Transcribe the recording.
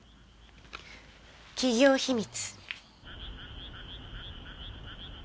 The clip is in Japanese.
企業秘密。